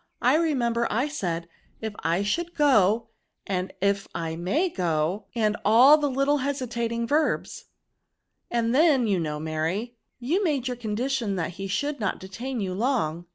I remember I said, if I should go, and if I may go, and all the little hesitating verbs." And then you know, Mary, you mac!e your condition that he should not detain you long.'